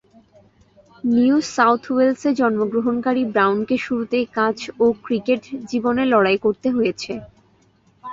New South ওয়েলসে জন্মগ্রহণকারী ব্রাউনকে শুরুতেই কাজ ও ক্রিকেট জীবনে লড়াই করতে হয়েছে।